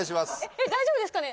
えっ大丈夫ですかね？